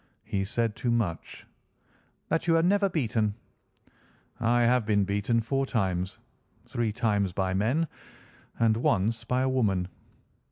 "He said too much." "That you are never beaten." "I have been beaten four times—three times by men, and once by a woman."